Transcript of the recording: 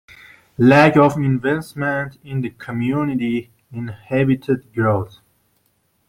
Lack of investment in the community inhibited growth.